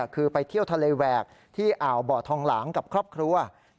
คือไปเที่ยวทะเลแหวกที่อ่าวบ่อทองหลางกับครอบครัว